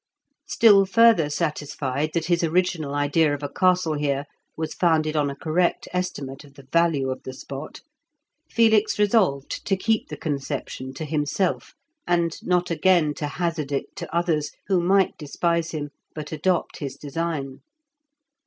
Still further satisfied that his original idea of a castle here was founded on a correct estimate of the value of the spot, Felix resolved to keep the conception to himself, and not again to hazard it to others, who might despise him, but adopt his design.